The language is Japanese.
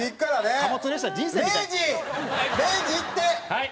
はい。